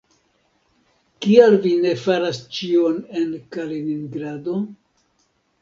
Kial vi ne faras ĉion en Kaliningrado?